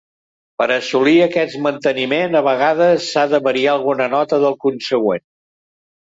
Per assolir aquest manteniment, a vegades, s'ha de variar alguna nota del consegüent.